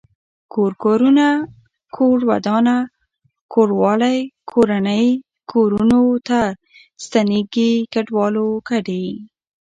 کور کورونه کور ودانه کوروالی کورنۍ کورنو ته ستنيږي کډوالو کډي